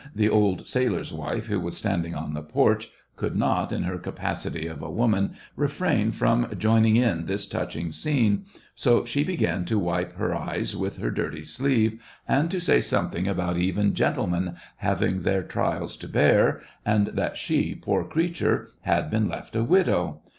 The old sailor's wife, who was standing on the porch, could not, in her capacity of a woman, refrain from joining in this touching scene, so she began to wipe her eyes with her SEVASTOPOL IN MAY. 57 dirty sleeve, and to say something about even gentlemen having their trials to bear, and that she, poor creature, had been left a widow.